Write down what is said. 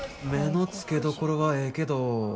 目の付けどころはええけど